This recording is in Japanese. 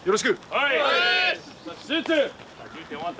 はい！